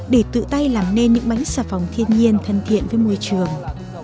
để tự tay làm nên những bánh xà phòng thiên nhiên thân thiện với môi trường